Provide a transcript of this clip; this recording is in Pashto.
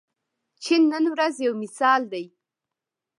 چین نن ورځ یو مثال دی.